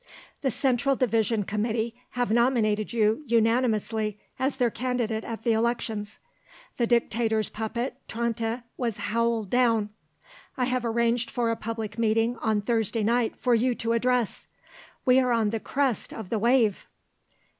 "The Central Division Committee have nominated you unanimously as their candidate at the elections. The Dictator's puppet, Tranta, was howled down. I have arranged for a public meeting on Thursday night for you to address. We are on the crest of the wave!"